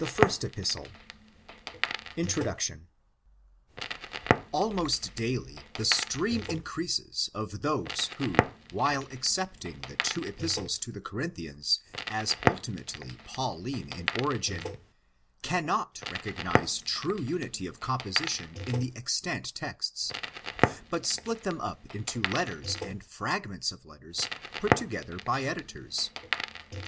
THE EPISTLES TO THE CORINTHIANS Aumost daily the stream increases of those who, while accepting the two Epistles to the Corinthians as ultimately Pauline in origin, cannot recognise true unity of composition in the extant texts, but split them up into letters and fragments of letters put together by editors.